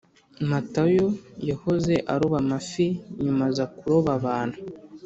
matayo yahoze aroba amafi nyuma aza kuroba abantu